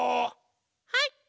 はい！